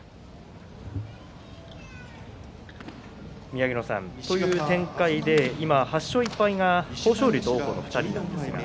宮城野さん、こういう展開で今８勝１敗が豊昇龍と王鵬の２人です。